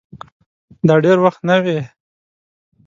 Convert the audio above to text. دا دېر وخت نه وې